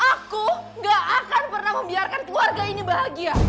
aku gak akan pernah membiarkan keluarga ini bahagia